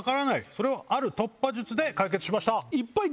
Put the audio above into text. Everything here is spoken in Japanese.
それをある突破術で解決しました。